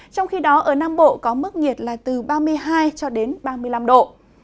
trong khi đó ở nam bộ có mức nhiệt là từ ba mươi hai ba mươi năm độ